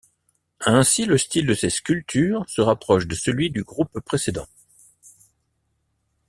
Ainsi le style de ces sculptures se rapproche de celui du groupe précédent.